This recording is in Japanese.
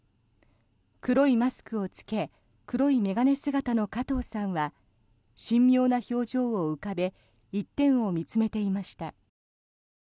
黒いマスクを着け黒い眼鏡姿の加藤さんは神妙な表情を浮かべ一点を見つめていました。